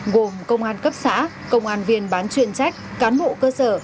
gồm công an cấp xã công an viên bán chuyên trách cán bộ cơ sở